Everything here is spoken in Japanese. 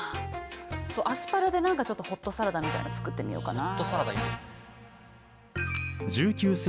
そうアスパラで何かちょっとホットサラダみたいなの作ってみようかな。